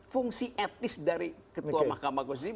fungsi etnis dari ketua mahkamah konstitusi